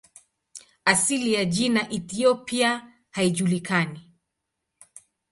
Asili ya jina "Ethiopia" haijulikani.